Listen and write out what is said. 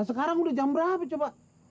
sekarang udah jam berapa coba